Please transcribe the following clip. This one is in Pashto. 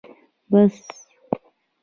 بس